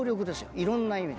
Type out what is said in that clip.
いろんな意味で。